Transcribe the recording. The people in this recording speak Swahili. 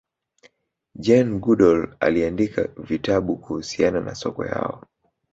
jane goodal aliandika vitabu kuhusiana na sokwe hao